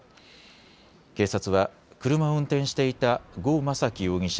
警察は車を運転していた呉昌樹容疑者